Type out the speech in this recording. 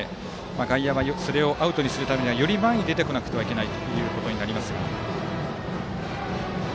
外野はそれをアウトにするためにより前に出てこなくてはいけないということになりますが。